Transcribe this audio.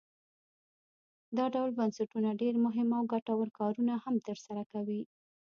دا ډول بنسټونه ډیر مهم او ګټور کارونه هم تر سره کوي.